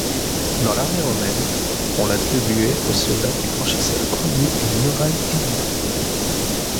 Dans l'armée romaine, on l'attribuait au soldat qui franchissait le premier une muraille ennemie.